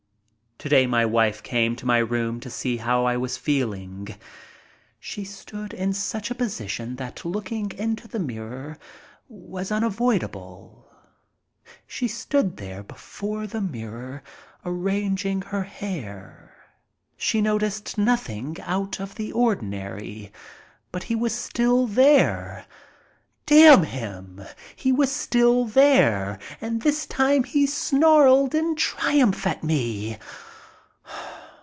Today my wife came to my room to see how I was feeling. She stood in such a position that looking into the mirror was unavoidable. She stood before the mirror arranging her hair. She noticed nothing out of the ordinary, but he was still there. Damn him! He was still there, and this time he snarled in triumph at me.